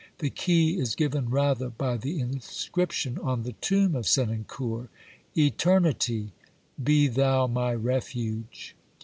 The key is given rather by the inscription on the tomb of Senancour :" Eternity, be thou my refuge!